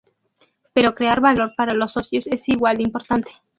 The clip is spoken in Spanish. Pero crear valor para los socios es igual de importante.